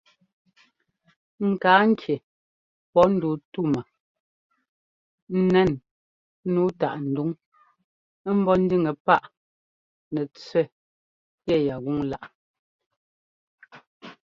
Ŋkaa ŋki pɔ́ nduu tú mɔ n nɛn nǔu táꞌ nduŋ ḿbɔ́ ńdíŋɛ páꞌ nɛtsẅɛ́ yɛyá gúŋláꞌ.